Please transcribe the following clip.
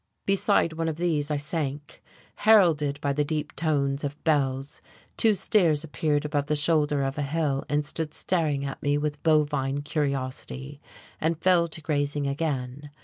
Beside one of these I sank. Heralded by the deep tones of bells, two steers appeared above the shoulder of a hill and stood staring at me with bovine curiosity, and fell to grazing again.